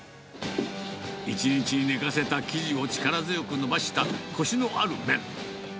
１日寝かせた生地を力強く伸ばしたこしのある麺。